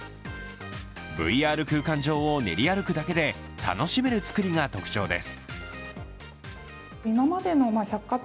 ＶＲ空間上を練り歩くだけで楽しめるつくりが特徴です。